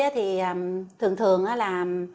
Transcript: thì thường thường là